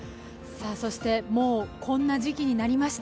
もうこんな時期になりました。